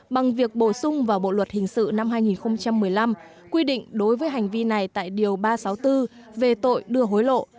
bằng việc bổ sung vào bộ luật hình sự năm hai nghìn một mươi năm quy định đối với hành vi này tại điều ba trăm sáu mươi bốn về tội đưa hối lộ